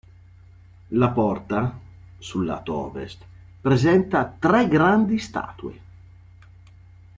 La porta, sul lato ovest, presenta tre grandi statue.